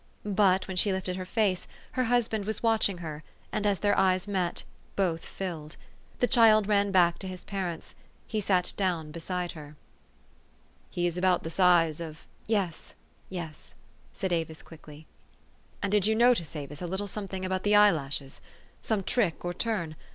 But, when she lifted her face, her husband was watching her, and, as their eyes met, both filled. The child ran back to his parents. He sat down beside her. THE STORY OF AVIS. 399 " He is about the size of "" Yes, yes," said Avis quickly. " And did you notice, Avis, a little something about the eyelashes ? some trick or turn